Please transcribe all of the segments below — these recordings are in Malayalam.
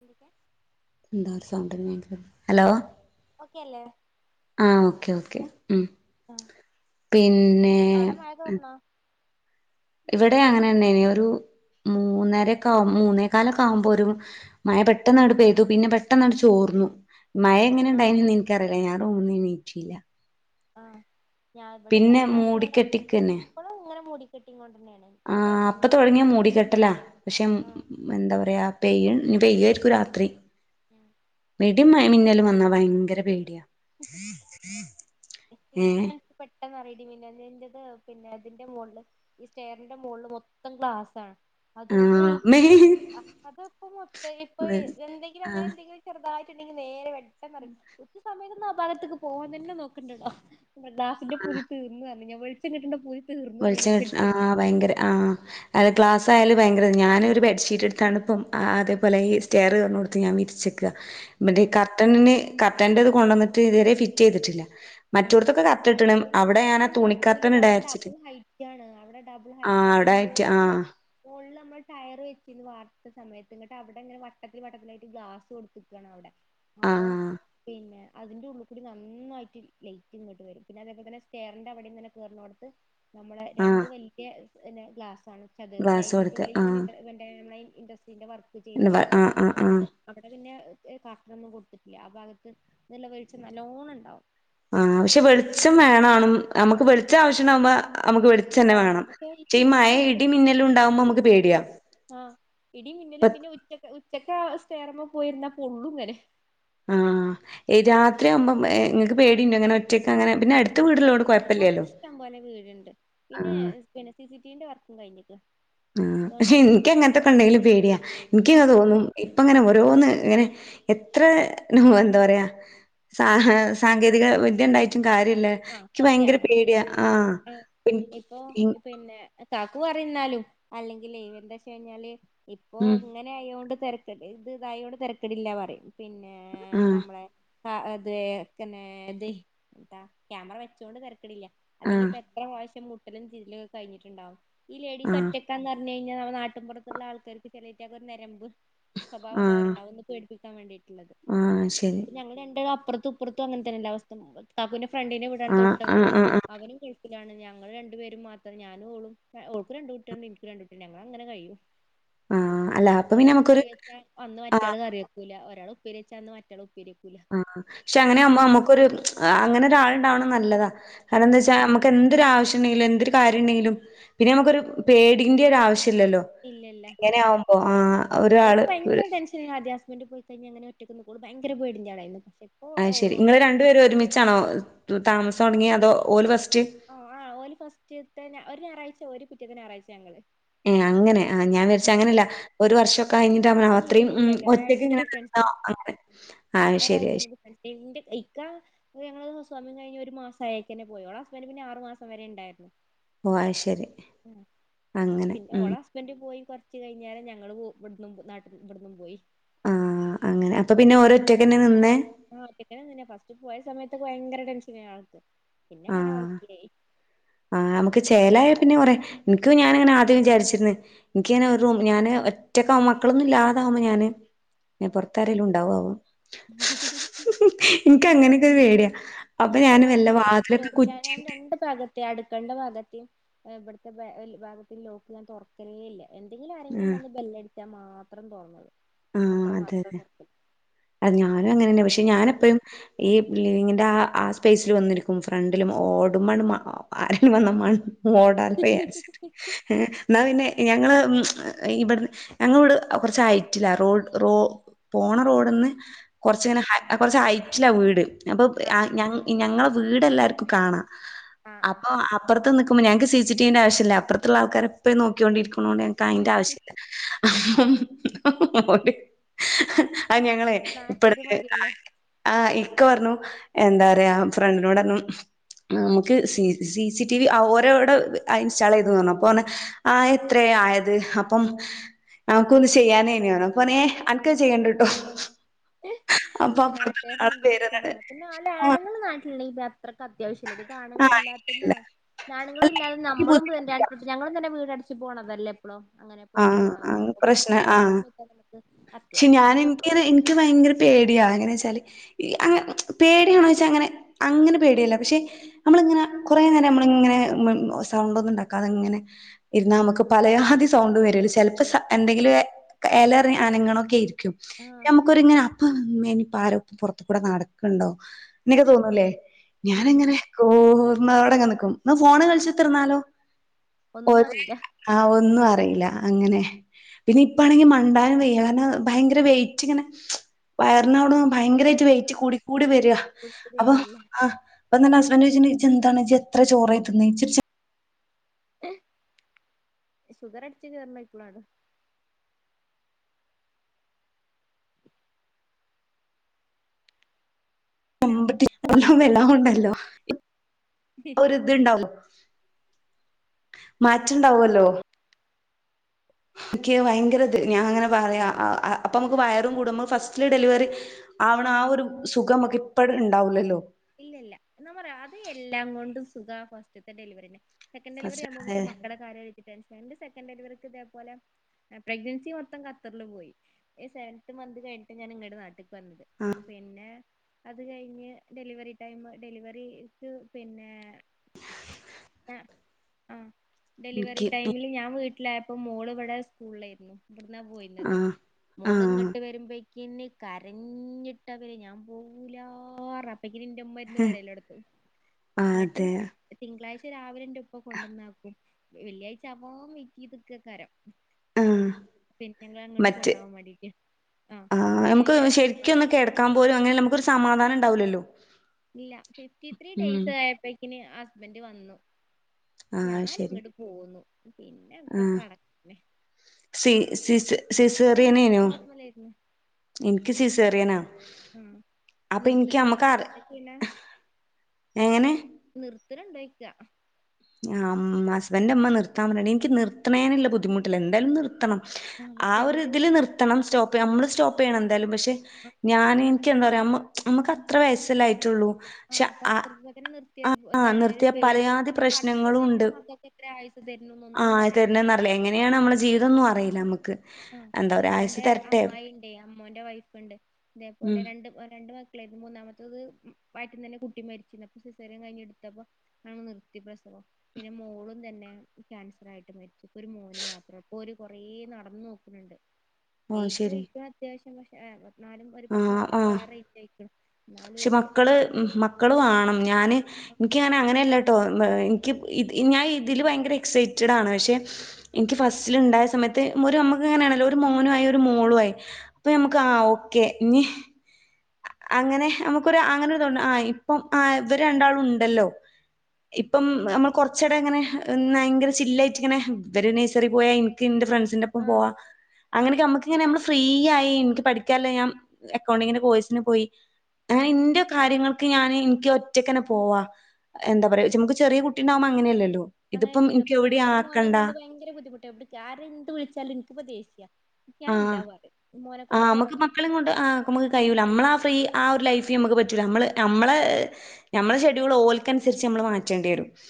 എന്തൊക്കെ എന്താ ഒരു സൗണ്ട് ഹലോ ഓക്കെ അല്ലേ ആ ഓക്കെ ഓക്കെ അഹ് ആഹ് പിന്നെ അവിടെ മഴ തോർന്നോ ഇവടെ അങ്ങനെന്നെന് ഒരു മൂന്നരക്കാകും മൂന്നേ കാലൊക്കെ ആവുമ്പോ ഒരു മയ പെട്ടെന്നട് പെയ്തു. പിന്നെ പെട്ടെന്നട് ചോർന്നു മയ എങ്ങനെ ആഹ് ണ്ടായിനന്ന് ഇനിക്കറിയില്ല ഞാ റൂമിന്നെനീറ്റില്ല ആഹ് ഞാ ഇവിടെന്ത് ഞാനിങ്ങനെ മൂടിക്കെട്ടിക്കന്നെ ഇപ്പളും ങ്ങനെ മൂടിക്കെട്ടിങ്ങോണ്ടന്നേണ് ആഹ് അപ്പൊത്തൊടങ്യേ മൂടിക്കെട്ടല പക്ഷെ മ് ആഹ് മ് മെന്താ പറയാ പെയ്യ്ണ്. നി പെയ്യായിരിക്കും രാത്രി [unintelligible] ബിടീം മയ് മിന്നലും വന്നാ വയങ്കര പേടിയാ ഏ ഇനിക്കാണ്ച്ച പെട്ടെന്നറി ഇടി മിന്നൽനെ ഇന്റത് പിന്നെ തിന്റെ മോളള് ഈ സ്റ്റെയറിന്റെ മോളില് മൊത്തം ഗ്ലാസ്സാണ് ആ അതുകൊണ്ടേ മേ അത ഇപ്പ മൊത്ത ഇപ്പൊ എന്തെങ്കിലും ആ അങ്ങനെ എന്തെങ്കിലും ചെറുതായിട്ടുണ്ടെങ്കിൽ നേരെ വെട്ടെന്ന് നിറ കുച്ച സമയൊന്നന്ന് ആപാലത്തേക്ക് പോവാൻ തന്നെ നോക്കണ്ടണ്ടോ [inaudible] [unintelligible] ദാസിന്റെ ആ പുരിത്ത് എന്ന് പറഞ്ഞ ഞാൻ വെളിച്ചംണ്ട്ടിന്റെ പുരിത്ത് [unintelligible] വെളിച്ച കിട്ടിനെ ആഹ് ഭയങ്കര ആഹ് അത് ക്ലാസ്സയാല ഭയങ്കര ഞാനൊരു ബെഡ്ഷീറ്റ് എടുത്താണ് ഇപ്പം അതേ പോലെ ഈ സ്റ്റർറ് പറഞ്ഞുക കൊടുത്ത് ഞാൻ വിരിച്ചക്ക ബടീ ആഹ് കർട്ടന്ന് കർട്ടറ്റത് കൊണ്ടന്നിട്ട് ഇത് വരേ ഫിറ്റയ്തിട്ടില്ല ആഹ് മറ്റോടത്തൊക്ക ക്കർട്ടൻ ട്ട്ണ് ഇത് അവടെ ഞാനാ തുണിക്കർട്ടൻ ഇടാരിച്ചിട്ട് ണ് അവടെ ഡബിൾ ഹൈറ്റാ പിന്നെ ആ മോളില് മോളില് അമ്മൾ ടയറ് വിരിച്ചീന്ന് വാർത്ത സമയത്ത് ഇങ്ങട്ട് അവ്ടെങ്ങനെ വട്ടത്തില് വട്ടത്തിലായിട്ട് ഗ്ലാസ് കൊട്ത്ത്ക്കാണ് അവടെ ആ അപ്പൊ പിന്നെ അതിന്റെ ഉള്ള്ക്കൂടി നന്നായിട്ട് ലൈറ്റ് ഇങ്ങട്ട് വരും. പിന്നെ അതേപോലത്തന്നെ സ്റ്റേറിന്റെ അവിടെങ്ങനെ കേറുന്നോടത്ത് നമ്മളെ ആ രണ്ട് വല്ല്യേ പിന്നെ ഗ്ലാസ്സണ്. ചതുരത്തിലായി ഗ്ലാസ് കൊടുത്ത് അതിന്റെള്ളിൽ ആ ഇങ്ങനേണ്ടായി ഇൻഡസ്ട്രീന്റെ വർക്ക് എന്ത പറ, ആ, ആ, ആ. അവടെ പിന്നെ കർട്ട നൊന്നും കൊട്ത്തിട്ടില്ല. ആ ഭാഗത്ത് നല്ല വെളിച്ചം നല്ലോണം ണ്ടാവും. ആ, പക്ഷേ വെളിച്ചം വേണാണും ആ നമ്മക്ക് വെളിച്ച ആവശ്യണ്ടാവുമ്പ നമക് വെ ച്ചന്നെ കാണാം വേണം. പക്ഷെ ച്ചേ ഈ ചൂടത്ത് മഴഇടി മിന്നലുണ്ടാവുമ്പോ മ്മക്ക് പേടിയാ ആ,. ഇപ്പ ഇടിംമിന്നലും, പിന്നെ ഉറ്റക്ക് ഉച്ചക്കാ സ്റ്റേയറുമ്മേയ് പോയിര്ന്ന പൊള്ളുംങ്ങനെ ആ, ആ, എ രാത്രിയാവുമ്പ എ ങ്ങക്ക് പേടിണ്ടോ ങ്ങനെ ഒറ്റക്ക് അങ്ങനെ പിന്നെ എട് ഏയ്, ‌ അടുത്തിഷ്ടം പോലെ വീടുണ്ട്. പിന്നെ ആഹ് പിന്നെ സിസി ടിവിന്റെ വർക്കും കഴിഞ്ഞക്കണ്. ആ, പക്ഷേ ഇനിയ്ക്കങ്ങനത്തൊക്കെ ണ്ടെങ്കിലും പേടിയാ ഇനിയ്ക്കങ്ങ് ആഹ് തോന്നും. ഇപ്പ ങ്ങനെ ഓരോന്ന് ഇങ്ങനെ എത്ര ന, എന്ത പറയാ സാ, ഹ്‌ സാങ്കേതിക വിദ്യണ്ടായിറ്റും കാര്യല്ലേ. ഇയ്ക്ക് ഭയങ്കര സത്യാണ് പേടിയാ ആ പിന് ഇപ്പൊ പിന്നെ കാക്കു പറീന്നാലും അല്ലെങ്കിലെ എന്താച്ച് ഞ്ഞാല് ഇപ്പോ ഉം ഇന്നെ ങ്ങനെയോണ്ട് തെരക്ക് ഇത് ദായോണ്ട് തെരക്കെടില്ലാപറീം പിന്നെ ആഹ് നമ്മളെ. അ, അതേ പിന്നേ ത്, എന്താ, ക്യാമറ വെച്ചോണ്ട് തെരക്കെടില്ല ആഹ് അല്ലെങ്കിപ്പ എത്ര പ്രാവശ്യ മുട്ടലും ചതിലൊക്കെ [unintelligible] കഴിഞ്ഞിട്ടുണ്ടാവും ഈ ലേഡീസ് ആഹ് ഒറ്റ ന്ന് പറഞഴിഞ്ഞാ നാട്ടിപുറത്തുള്ള ആൾക്കാര്ക്ക് ചെലീറ്റക്ക് ഒരു നരമ്പ് ആഹ് സ്വഭാവള്ളവരുണ്ടാവും. പേടിപ്പിക്കാൻ വെണ്ടീട്ട്ള്ളത്. ആഹ് ശരി. ഇപ്പ ഞങ്ങൾ രണ്ട് അപ്പുറത്തുംപ്പറത്തും അങ്ങന തന്നെല്ലേ അവസ്ഥകാക്കൂന്റെ ഫ്രണ്ടിന്റെ വിടാണ് ആഹ് തൊട്ട ആഹ് വീട് ആഹ് ആഹ് അവനും ഗൾഫ് ലാണ് ഞങ്ങൾ രണ്ടുപേരും മാത്രം. ഞാനുംഓളും. ഓൾക് രണ്ട് കുട്ടിയാള്ണ്ട് ഇനിക്ക് രണ്ടു കുട്ടിണ്ട് ഞങ്ങളങ്ങനെ കഴിയും. കഴിയും [inaudible] അല്ല അപ്പൊ പിന്നെ ഒരാൾ നമുക്കൊരു കറി വെച്ചാ അന്ന് ആഹ് മറ്റയാൾ കറി വെക്കൂല. ഒരാൾ ഉപ്പേരി വെച്ചാ അന്ന് മറ്റയാൾ ഉപ്പേരി വ ആ. പക്ഷേ അങ്ങനെ ആകുമോ നമുക്കൊരു അങ്ങനെ ഒരാളുണ്ടാവണം നല്ലതാ. കാരണം ആഹ് എന്താ വെച്ചാക്ക് നമ്മക്ക് നമുക്ക് എന്തൊരു ആവശ്യ ഉണ്ടെങ്കിലും എന്തൊരു കാര്യംണ്ടങ്കിലും പിന്നെ നമുക്ക ഒരു പേടിന്റെ ഒരു ആവശ്യമി ല്ലല്ലോ. ഇല്ല, ഇല്ല. അങ്ങനെയാകുമ്പോ ആ, ഓ ഓൾക്ക് ഭയങ്കര ടെൻഷൻ കാര്യാ ഹസ്ബന്റ് പോയികയി ഞ്ഞ എങ്ങനെ ഒറ്റക്ക് നിക്കും. ഓൾ ഭയങ്കര പെടി ന്റെയ് ആളായിരുന്നു. പക്ഷേ അത് ശരി. നിങ്ങൾ രണ്ടു പേരും ഒരുമിച്ചാണോ താമസം തുടങ്ങിയ അതോ ഓല് ഫസ്റ്റ് ആ, ഒല് ഫസ്റ്റ് തന്ന ഒരുഞായറാഴ്ച ഒര് പിറ്റത്തെ ഞായറാഴ്ച ഞങ്ങൾ. ഉം'അങ്ങനെ. ആ ഞാൻ വിചാരിച്ചു അങ്ങനെയല്ല. ഒരു വർഷം കഴിഞ്ഞതവണ ഏയ് രാത്രി ഇല്ല ഇല്ല ഇല്ല ഒറ്റക്ക് ഒരാഴ്ചന്റെ ഇങ്ങനെ നിന്നോ ഡിഫറൻസിലാ അങ്ങനെ [unintelligible] ആഹ അത്ശരിയ അത് ശരി. എന്റെ കൈക്ക അ, ഞ്ഞങ്ങൾ ഹൗസ് വമിങ് കഴിഞ്ഞ് ഒരു മാസ ആയെക്കനെ പോയി. ഓളെ ഹസ്ബൻന്റ് പിന്നെ ആർ മാസം വരെ ഉണ്ടായിരുന്നു. ഓ, അത്ശരി, അങ്ങനെ ഉം. ഹസ് ബന്റ്പോയി കുറച്ച് കഴിഞ്ഞേരം ഞങ്ങൾ ഇവിടുന്നും നാട്ടിൽ ഇവിടന്നും പോയി. ആ, അപ്പോ പിന്നെ ഓരോ ഒറ്റക്കന്നെ നിന്നേ. ആ, ഒറ്റയ്ക്കെന്നേ നിന്നിനെ. ഫസ്റ്റ് പോയ സമയത്തൊക്കെ ഭയങ്കര ടെൻഷൻ ആ ആൾക്ക്. പിന്നെ അങ്ങനെ ഓക്കായി. ആ, ന മുക്ക് ചേലായ പിന്നെ കുറെ. എനിക്കും ഞാനങ്ങനെ ആദ്യം വിചാരിച്ചിന്ന് എനിക്കങ്ങനെ ഒരു റും. ഞാന് ഒറ്റക്ക മക്കളൊന്നും ഇല്ലഅതാകുമ്പോ ഞാൻ. പുറത്താരേലും ഉണ്ടാവാവോ? അക്ക [inaudible] [unintelligible] എനിക്ക അങ്ങനെയൊക്കെ ഒരു പേടിയ. അപ്പോ ഞാൻ വല്ലവ ഇല്ല ഞങ്ങൾ രണ്ട് ന്റെ ഭാഗത്തെ അടുക്കളണ്ട ഭാഗത്തെയ ഇവിടുത്തെ ഭാഗത്ത ലോക്ക് ഞാൻ തുറക്കലേ ഇല്ല. എന്തെങ്കിലും ആരെങ്കിലും ആഹ് വന്ന് ബെല്ലടിച്ചാ മാത്രം തോറന്നിടും. ഉം അതെതെ. അത് ഞാനും അങ്ങനെന്നെ. പക്ഷെ ഞൻ എപ്പഴും ഈ ലിവിങ്ങിന്റെ ആ ആ സ്പേസില് വന്നിരിക്കും. ഫ്രണ്ടിലും ഓടുമ്പമാണ് ആരും വന്ന മ ഓടാൻ പോയ വിചരിച്ചിട്ട് എന്നാൽ പിന്നെ ഞങ്ങൾ ഇവിടുന്ന് ഞങ്ങളിവിടെ കുറച്ചായി റ്റില. റോ റോപോണ റോഡ്ന്ന് ആ കുറച്ചിങ്ങനെ കുറച്ച് ഹൈറ്റില്ല വീട് അത്. ആ ഞ ഞങ്ങളെ വീട് എല്ലാർക്കും കാണാം. ആ ആ അപ്പൊ അപ്പറ ത്ത്നിക്കുമ്പോളെ ഞങ്ങൾക്ക് സിസി ടിവിന്റെ ആവ്യമില്ല. അപറത്ത്ള്ള ആൾക്കാര എപ്പോഴുംനോക്കോണ്ടിരിക്കണണ്ട് ഞങ്ങക്ക്ക്ക് അതിന്റെ ആവശ്യല്ല ഓ ആ ഞങ്ങളെ നാട്ടുകാര് ഇപ്പറത്തെ മതിയല്ലോ ആഹ ഇക്ക പറഞ്ഞു. എന്താ പറയാ. ഫ്രണ്ടിനോടർഞ്ഞു നമുക്ക് സി സി ടി വി ഓരോ ട് ഇൻസ്റ്റാൾ ചെയ്തോ ന്ന് പറഞ്ഞു അപ്പൊ പർഞ്ഞു ആ എത്രയ ആയത്. അപ്പം ഞമക്ക ഒന്ന് ചെയ്യാന അപ്പൊ ന അനക്ക് ചെയ്യണ്ട കേട്ടോ. നമുക്ക് നാട്ടുകാരനെല്ലാം ഇഷ്ടം പേരെന്താണ് പറ. പിന്നെ [unintelligible] ആ ആണ്ങ്ങൾ നാട്ടില അത്രക്ക് അത്യാവശ്യല്ല ടി പ്പംആണുങ്ങൾ ആ ഇല്ലാ ഇല്ല ഇല്ല ഇല്ലാ പിന്നെആണുങ്ങളും അല്ല ഇല്ലാതെ എനിക്ക് നമ്മളു ബുദ്ധിമുട്ടില്ല [unintelligible] ഞങ്ങളും തന്നെ വീട് അടച്ച് പോകണതല്ലേ അങ്ങനെ ആ പൊറത്ത് ആ പോകണതല്ല. പിന്നെ പ്രശ്നം അങ്ങനത്തെ ആ ഒരു സമയത്ത നമുക്ക് പക്ഷെ അത്യാവശ്യം ഞാൻ നമുക്ക് എനിക്ക് എപ്പങ്കിലും എനിക്ക് ഭയങ്കര പേടിയാ. എങ്ങനെ വെച്ചാല് അ പേടിയാണ വെച്ചാൽ അങ്ങനെ അങ്ങനെ പേടിയല്ല പക്ഷെ നമ്മളിങ്ങനെ കുറേ നേരം നമ്മളിങ്ങനെ സൗണ്ട്ഒന്നും ഉണ്ടാക്കാതെ. ഇങ്ങനെ ഇരുന്നനമുക്ക് പലയാതി സൗണ്ട് വരല്ല. ചിലപ്പ എന്തെങ്കിലും എലറി അനങ്ങൊക്കെ ഇരിക്കും ആഹ് [unintelligible] അപ്പ മേനിപ്പ ആരോപ്പ പുറത്ത കൂടെ നടക്കണ്ടോ നിക്ക് തോന്നുംല്ലേ. ഞാന ഉം എങ്ങനെ കൂർമന്നാടെങ്ങ നിക്കും ന്നാഫോണ് കൾച്ചുതർന്നാല് ഒന്നും ഒരേ അറിയില്ല ആ ഒന്നും അറിയില്ല അങ്ങനെ. പിന്നെ ഇപ്പാണെങ്കി മണ്ടാനം വെദന. ഭയങ്കര വെറ്റ് ഇങ്ങനെ. വയറിനവിട ഭയങ്കരമായിട്ട് വെയിറ്റ് ആഹ് കൂടികൂടി വരിക. പുതു അപ്പൊ പേരല്ലേ ആ. അപ്പന്റെ ഹസ്ബൻറ് ചോയ്ച്ച എന്താണ് ജി എത്ര ചോറായി തിന്ന്? സുഖർ അടിച്ച കരണെ ഇപ്പളാണ്. ഹലോ [unintelligible] ഒരു ഇത് ഇണ്ടാവും. ആഹ് മാറ്റണ്ടാവല്ലോ. ഓക്കെ ഭയങ്കരത് ഞാൻ അങ്ങനെ പറയാ അപ്പൊ നമുക്ക് വയറും കൂടും നമ്മ ഫസ്റ്റ്ല് ഡെലിവറി ആവണ ആ ഒരു സുഖമക്കെ ഇപ്പഴ ഉണ്ടാവില്ലല്ലോ? ഇല്ലല്ല എന്നാ പറയാ അത് എല്ലാം കൊണ്ടും സുഖ ഫസ്റ്റ്ത്തെ ഡെലിവറിനെ. സെക്കഡ ഡലിവറി ഫസ്റ്റ് ആകുമ്പോ അതെ നുക്ക്ക്ക മക്കളെ കാര്യാലോചിച്ച് ടെൻഷൻ ൻ്റെസെക്കൻ് ഡലിവറിക്ക് ഇതേപലെ പ്രഗ്നൻസി മൊത്തം കത്തറിൽ പോയി സെവൻന്ത് മന്ത് കഴിഞ്ഞട്ട് ഞാൻ നിങ്ങളുടെ നാട്ടി പറഞ്ഞത് പിന്നെ അത് കഴിഞ്ഞ് ഡെലിവറി ടൈം ഡെലിവറിക്ക് പിന്നെ ആ ആ ഡെലിവറി ഇൻക്ക് ടൈമില് ഞാൻ വീട്ടിലായപ്പോ മോള് ഇവിടെ സ്കൂളിലായിരുന്നു. അവിന്ന പോയിന്നത് ആഹ് മോളങ്ങട്ട് ആഹ് വരുമ്പോ പിന്നെ കരഞ്ഞിട്ടവർ ഞാൻ പോവൂലാറ- ന്റെ ഉമ്മരുന്ന് കരയല്ലോടത്തി അങ്ങോട്ട് അതെ. തിങ്കളാഴ്ച രാവിലെ ഇപ്പൊ കൊണ്ടന്നാക്കും വെള്ളിയാഴ്ചവാ വീയ്റ്റിത്ക്കെകരം. ആഹ് പിന്നെ ങ്ങ അങ്ങട്ട് മറ്റ് കൊണ്ടുവാൻ മേണ്ടിട്ടെ ആ ശനി ഞായർ ലീവാ. ക്കാൻ പോലും അങ്ങനെ നമുക്കൊരു സമാധാനം ഉണ്ടാവില്ലല്ലോ. ഇല്ല ഫിഫ്റ്റി ത്രീ ഡേയ്സ് ആയപ്പോക്കിന് ഹസ്ബൻഡ് വന്നു ആഹ് ഞാന ശരി. ഇങ്ങ പോന്നു പിന്നെ അക്ക ആഹ് കണകനെ സി സി സിസേറിയനേനു നോർമലായിരുന്നു. എനിക്ക് സിസേറിയനാ. ഉം അപ്പൊ നർത്ത് ഇൻക്ക് അമ്മക്ക് ണണ്ടകി അറി നിർത്തിയില്ല പിന്നെ എങ്ങനെ? നിർത്തല്ണ്ടായിക്ക? ഹസ്ബൻ്മ്മ നിർത്താൻ പറഞ്ഞ എനിക്ക് നിർത്തണേനുളള ബുദ്ധിമുട്ടില്ല എന്തായാലും നിർത്തണം. ആഹ് ആ പക്ഷെ ഒരി അവര് ഇതില് നിർത്തണം. സ്റ്റോപ്പ് നമ്മള് സ്റ്റോപ്പ് ചെയ്യണം എന്തായാലും. പക്ഷെ അ ഞന് എനിക്കെന്താ പറയാ നമുക്ക് അത്ര വയസല്ല ആയ്ട്ടുള്ളൂ. ആ പത്രത്തിലക്കനെ നിർത്തിയ ഒരു ആഹ് ഇതാണ് ഒരു നിർത്തിയ പേര് പലയാതി പടി അ പ്രശ്നങ്ങളും ഉണ്ട്. നമ്മടെ മക്കൾക്ക് എത്ര ആയുസ് തരണ് എന്നൊന്നും ആഹ് പറയാൻ പ തരുന്നേന്നറിയില്ല എങ്ങനെയാണ് നമ്മുടെ ജീവിതം ഒന്നും അറിയില്ല നമുക്ക്. ആ ഇക്കാന്റെ അമ്മായി ഉണ്ട് അമ്മോന്റെ വൈഫ്ണ്ട് ഇതേപോലെ ഉം രണ്ട് രണ്ട് മ മൂന്നാമത്തത് വാറ്റി തന്നെ കുട്ടി മരിച്ചിരുന്നു. അപ്പ സിസെറിയ്ൻ കഴിഞ്ഞ്ടുത്തപ്പോ ആ നിർത്തി പ്രസവം പിന്നെ മോളും തന്നെ ക്യാൻസർ ആയിട്ട് മരിച്ചു. ഒരു മോന് മാത്രം ഇപ്പോ ഒരു കൊറ നടന്ന് നോക്കുന്നുണ്ട്. ഓഹ് ഏജ് ശരി ഒഴിച അത്യാവശ്യം പക്ഷേ പതിനാലും ഒരു പത്തി നാല്പ്പത് ആറ് ഐച് ക്ക്ണു. ക്ഷെ മക്കള് മക്കളും വണം ഞാന് എനിക്കങ്ങനെ അങ്ങനെയല്ലട്ടോ എനിക്ക് ഞാൻ ഇതില് ഭയങ്കര എക്സൈറ്റഡ്ണ്. പക്ഷെ എനിക്ക് ഫസ്റ്റില് ഉണ്ടായ സമയത്ത് ഒരു നമുക്ക് ഇങ്ങനെയാണല്ലോ ഒരു മോനുമായി ഒരു മോളുയി. അപ്പൊ നമ്മുക്ക് ആ ഓക്കെ ഇ അങ്ങനെ നമുക്കൊരു അങ്ങനെ ഒരു ത ആ ഇപ്പം ആ ഇവര് രണ്ടാളും ഉണ്ടല്ലോ. ഇപ്പം നമ്മൾ കുറച്ചട ഇങ്ങനെ ഭയങ്കര കുറച്ച് ചില്ലായിട്ട് ഇങ്ങനെ ഇവര് നേഴ്സറി പോയാ എനിക്ക് എന്റെ ഫ്രണ്ട്സ്. പ്പം ആഹ് പോവാ അങ്ങനെയൊക്കെ നമക്കിങ്ങനെ നമ്മള് ഫ്രീ ആയി എനിക്ക് പഠിക്കാല്ലോ ഞാൻ അക്കൗണ്ടിങ്ങിന്റെ കോഴ്സിന് പോയി. ഞാൻ ആഹ് ഇന്റെ കാര്യങ്ങൾ ഞാന് എനിക്ക് ഒറ്റക്കനെ പോവാ എന്താ പറയാ ച നമുക്ക് ചെറിയ കുട്ടി ഉണ്ടാവക്പോ അങ്ങനെയല്ലല്ലോ? ഇതിപ്പം അങ്ങനെയല്ലല്ലോ ഇപ്പോ എവിടെയും എനിക്ക് മോനയും ആക്കണ്ട. കൊണ്ട് ഭയങ്കര ബദ്ധിമുട്ട എവിട ആറ് എന്ത് വിളിച്ചാലും എനിക്കിപ്പ ദേഷ്യ. ആഹ്. ഞാനല്ല മോനെ കൊണ്ട് പോണ [unintelligible] നമുക്ക് കഴിയുല്ല നമ്മള ആ ഫ്രീ ആ ഒരു ലൈഫിൽ നമുക്ക് പറ്റില്ല നമ്മൾ നമ്മളെ നമ്മെ ഷെഡ്യൂൾ ഓൽക്ക് അനുസരിച്ച് നമ്മൾ മാറ്റേണ്ടി വരും. ആഹ്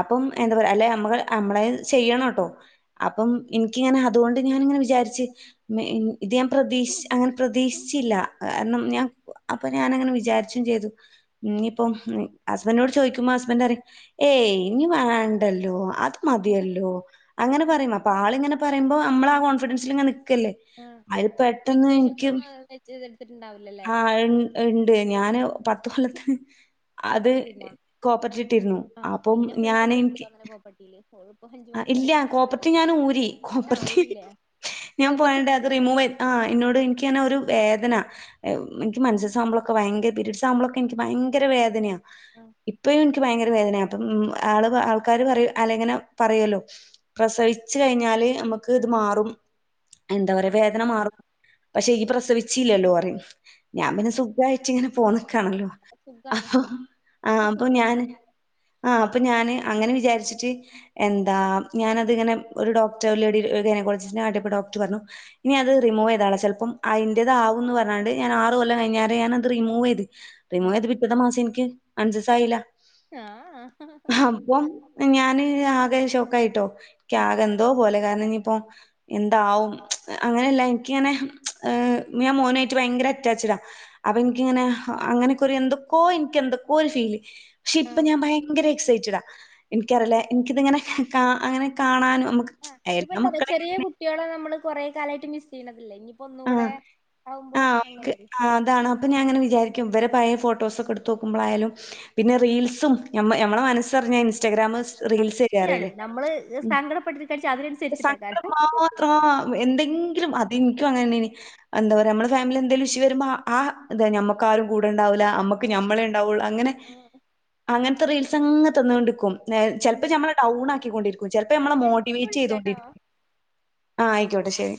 അപ്പം എന്താ പറയാ അല്ലെ നമ്മ നമ്മളെ ചെയ്യണംട്ടോ. അപ്പം എനിക്കിങ്ങനെ അതുകൊണ്ട് ഞാനിങ്ങനെ വിചാരിച്ച് മ ഇത് ഞാൻ പ്രതീക്ഷ അങ്ങനെ പ്രതീക്ഷിച്ചില്ല കാരണം ഞാൻ അപ്പൊ ഞാന് അങ്ങനെ വിചാരിച്ചും ചെയ്ത്. ഇയിപ്പം ഹസ്ബൻഡനോട് ചോയിക്കുപോ ഹസ്ബൻറ് അറിം ഏയ് ഇനി വേണ്ടല്ലോ അത് മതിയല്ലോ അങ്ങനെ പറയും അപ്പൊ ആളിങ്ങനെ പറയുമ്പോ നമ്മള് ആ കോൺഫിഡൻസിൽ ഇങ്ങ നെ നിക്കല്ലേ. അത് പെട്ടെന്ന് എനിക്ക്. ഇജ് ഇത്തെടുത്തിട്ടണ്ടാവില്ലല്ലേ ആ ഉണ്ട് ഞാന് പത്ത് കൊല്ലത്തിന്. അത് കോപ്പറേറ്റീന്നാ കോപ്പട്ടിട്ടിരുന്നു അപ്പം ഞൻ എനിക്ക്. പറ്റില്ല. ആ ഇല്ല കോപ്പർട്ടീവ് ഞാൻ ഊരി ആഹ് കോപ്പർടി ഓരില്ലേ ഇത് ഞാൻ കോപ്പറേറ്റീവ് പോയണ്ട് ഇത് അത് റിമൂവ് വെട്ടക്കാട് ആ ഇന്നോട് എനക്ക്ങ്ങന്നെ ഒരു വേദന. എനിക്ക് മെൻസസ് അവുമ്പളൊക്കെ ഭയങ്കര പിരീഡ് സ്അവുമ്പളൊക്കെ എനിക്ക് ഭയങ്കര വേദന. ആഹ് ഇപ്പും എനിക്ക് ഭയങ്കര വേദനയ അപ്പം ആള് ആൾക്കാര് പറയും അലെഇങ്ങനെ. പറയല്ലോ പ്രസവിച്ചു കഴിഞ്ഞാല് നമുക്ക് ഇത് മാറും. എന്താ പറയാ വേദന മാറും പക്ഷെ ഈ പ്രസവിച്ചല്ലല്ലോ അ ഞാൻ ആഹ് പിന്നെ സുഖായിട്ട് ഇങ്ങനെ ആഹ് പോന്നക്കാണല്ലോ അപ്പൊ സുഖാണ് അപ്പൊ ആ് ഒക്കെ അപ്പൊ സുഖാണ് ഞാന് ആഹ അപ്പൊ ഞാാന് അങ്ങനെ വിചാരിച്ചിട്ട് എന്താ ഞാനതിങ്ങനെ ഒരു ഡോക്ടർ ഒരു ലേഡി ഗൈനോളജീൻ്റെ കാണിച്ചപ്പോൾ ഡോക്ടർ പറഞ്ഞു ഇനി അത് റിമൂവ് ചെയ്തള ചിലപ്പം അതിന്റതാവുംന്ന് പറഞ്ഞാണ്ട് ഞാൻ ആറ് കൊല്ലം കഴിഞ്ഞാണ് ഞാന അത് റിമൂവ് ചെയ്ത് റിമൂവ് ആഹ് ചെയ്ത് പിറ്റത് മാസം എനിക്ക് മെൻസസ് ആയില്ല ആഹ അപ്പം ഞാന് ആകെ ഷോക്ക ആയിട്ടോ ഉം ആകെ എന്തോ പോലെ കാരണം ഇനിയിപ്പോ എന്താവും അങ്ങനെയല്ല എനിക്കിങ്ങനെ ഞാൻ മോനായിട്ട് ഭയങ്കര അറ്റാച്ചഡാ അപ്പൊ എനിക്കിങ്ങനെ അങ്ങനെക്കറി എന്തൊക്കോ എനിക്ക് എന്തൊക്കോ ഒരു ഫീല് പക്ഷെ ഇപ്പൊ ആഹ് ഞാൻ ഭയങ്കര എക്സൈറ്റഡ ആ എനിക്കറിയില്ല എനിക്കിത്ങ്ങനെ കാ അങ്ങനെ കാണാനും നമുക്ക് ആ് ഇപ്പ എല്ലാ എന്താന്നാ മക്കളെ ചെറിയ കുട്ടികളെ നമ്മള് കൊറ കാലായിട്ട് മിസ് ചെയ്യുന്നതില്ല ഇനി ഒന്നുകൂടെ ആവുമ്പോ അങ്ങനെരി ആ അതാണ് അപ്പൾ ഞാനങ്ങനെ വിചാരിക്ക ഇവരെ പഴയ ഫോട്ടോസക്കെ എടുത്ത് നോക്ക്പോയാലും പിന്നെ റീൽസും നമ്മളടെ മനസ്സറിഞ്ഞാ ഇൻസ്റ്റാഗ്രാമ റീൽസിഡ സത്യാണ് പറയില്ലേ നമ്മള് ഉ സങ്കടപ്പെട്ടിരിക്കാച്ചാ സങ്ക അതിനനുസരിച്ചിട്ടേക്കാരം ആ എന്തെങ്കിലും അ എനിക്കും അങ്ങനെെ എന്താ പറയാ നമ്മുടെ ഫാമിലി എന്തേലും ഇഷ്യു വരുമ്പോ ആ്ത നമ്മുക്കാരും കൂടെ ഉണ്ടാവില്ല നമ്മുക്ക് ആഹ് ഞമ്മളെ ഉണ്ടാവുള്ളു അങ്ങനെ അങ്ങനത്തെ റീൽസ് അങ്ങെ തന്നൊണ്ട്ക്കും ചെലപ്പോ ആഹ് മ്മള് ഡൗൺ ആക്കിക്കൊണ്ടിരിക്കും ചിലപ്പോ നമ്മൾ എടാ ഞാനിപ്പ മോട്ടിവേറ്റ് വിളിക്കാട്ടോ ചെയ്തൊണ്ടിരിക്കും ആഹ ആയിക്കോട്ടെ ശെരി